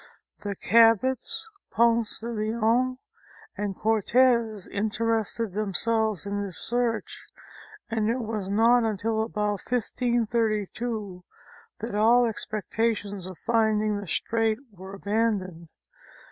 The Cahots, Ponce de Leon and Cortez interested themselves in this search and it was not until about 1532 that all expectations of finding the strait were aban doned.